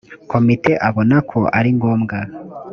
komite abona ko ari ngombwa